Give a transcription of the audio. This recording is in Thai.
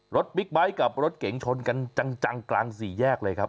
บิ๊กไบท์กับรถเก๋งชนกันจังกลางสี่แยกเลยครับ